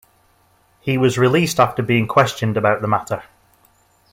He was released after being questioned about the matter.